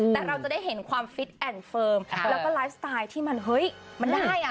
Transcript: แต่เราจะได้เห็นความฟิตแอนด์เฟิร์มแล้วก็ไลฟ์สไตล์ที่มันเฮ้ยมันได้อ่ะ